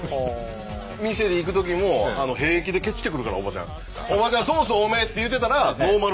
店に行くときも平気でケチってくるからおばちゃん。